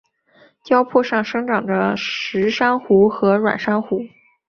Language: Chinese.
礁坡上生长着石珊瑚和软珊瑚。